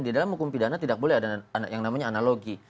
di dalam hukum pidana tidak boleh ada yang namanya analogi